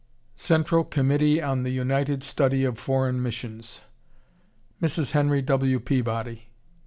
CENTRAL COMMITTEE ON THE UNITED STUDY OF FOREIGN MISSIONS. MRS. HENRY W. PEABODY.